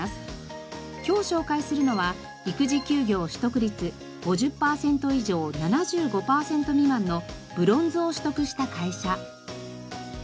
今日紹介するのは育児休業取得率５０パーセント以上７５パーセント未満のブロンズを取得した会社。